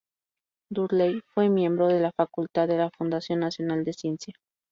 Dudley fue miembro de la facultad de la Fundación Nacional de Ciencia.